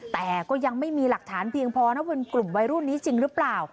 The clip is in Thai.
แต่ก็ยังไม่มีหลักฐานเพียงพอนะเป็นกลุ่มวัยรุ่นนี้จริงหรือเปล่า